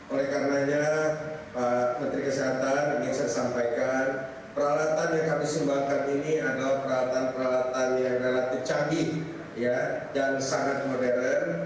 oleh karenanya pak menteri kesehatan ingin saya sampaikan peralatan yang kami sumbangkan ini adalah peralatan peralatan yang relatif canggih dan sangat modern